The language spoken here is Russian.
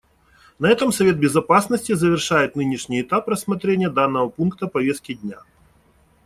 На этом Совет Безопасности завершает нынешний этап рассмотрения данного пункта повестки дня.